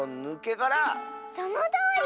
そのとおり！